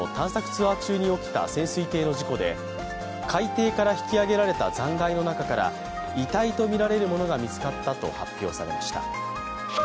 ツアー中に起きた潜水艇の事故で、海底から引き揚げられた残骸の中から遺体とみられるものが見つかったと発表されました。